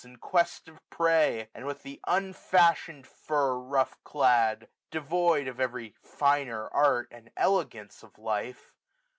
In quest of prey ; and with th* unfashion'd fur Rough clad ; devoid of every finer art, 1760 And elegance of life.